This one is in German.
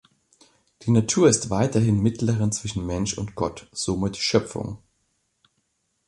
Die Natur ist weiterhin Mittlerin zwischen Mensch und Gott, somit Schöpfung.